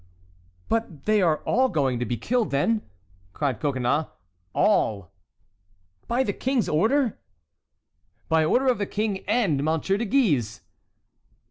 "But are they all going to be killed, then?" cried Coconnas. "All!" "By the King's order?" "By order of the King and Monsieur de Guise."